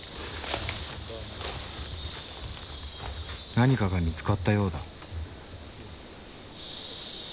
何かが見つかったようだ。